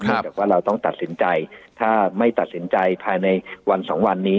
จากว่าเราต้องตัดสินใจถ้าไม่ตัดสินใจภายในวันสองวันนี้